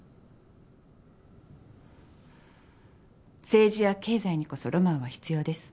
政治や経済にこそロマンは必要です。